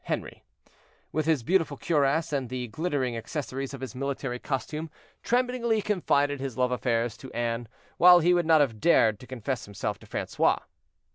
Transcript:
Henri, with his beautiful cuirass, and the glittering accessories of his military costume, tremblingly confided his love affairs to Anne, while he would not have dared to confess himself to Francois.